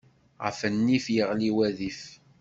Ɣef nnif, yeɣli wadif.